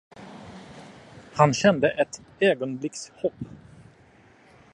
Han kände ett ögonblicks hopp.